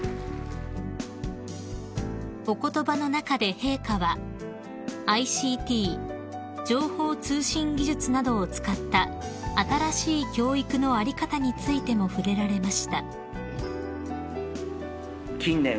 ［お言葉の中で陛下はＩＣＴ情報通信技術などを使った新しい教育の在り方についても触れられました］